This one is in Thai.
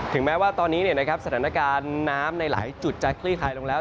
แม้ว่าตอนนี้สถานการณ์น้ำในหลายจุดจะคลี่คลายลงแล้ว